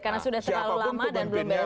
karena sudah terlalu lama dan belum beres beres